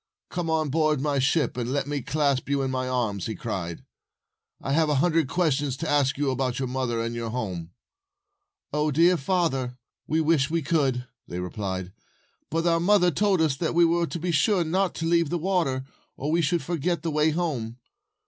"Come on board my ship, and let me clasp you in my arms! " he cried. "I have a hundred questions to ask about your mother and your home. ,, "O father dear! We wish we could," they replied; "but our mother told us that we were to be sure not to leave the water, or we should forget the way home.